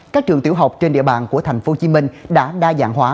các trường tiểu học trên địa bàn của tp hcm đã đa dạng hóa